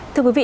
thưa quý vị